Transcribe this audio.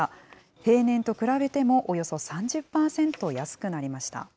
平年と比べても、およそ３０％安くなりました。